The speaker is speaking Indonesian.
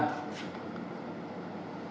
karena adanya dorongan